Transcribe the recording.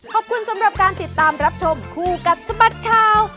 ขอบคุณสำหรับการติดตามรับชมคู่กับสบัดข่าว